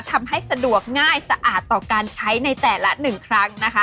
ทำให้สะดวกง่ายสะอาดต่อการใช้ในแต่ละ๑ครั้งนะคะ